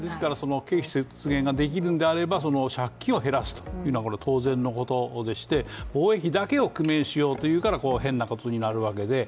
経費節減ができるのであれば借金を減らすというのは当然のことでして防衛費だけを工面しようとするから変なことになるわけで。